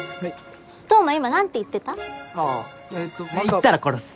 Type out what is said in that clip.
言ったら殺す。